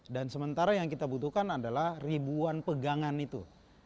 dan sementara yang kita butuhkan adalah ribuan pegangan itu